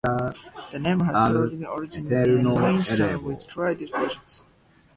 The name has Slavic origin and means "town with clay deposits".